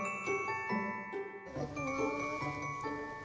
いただきます。